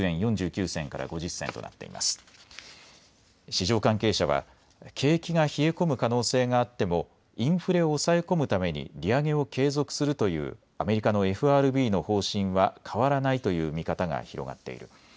市場関係者は景気が冷え込む可能性があってもインフレを抑え込むために利上げを継続するというアメリカのＦＲＢの方針は変わらないという見方が広がっている。